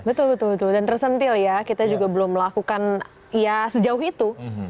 betul betul dan tersentil ya kita juga belum melakukan ya sejauh itu